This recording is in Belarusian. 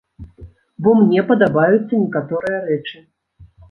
Бо мне падабаюцца некаторыя рэчы.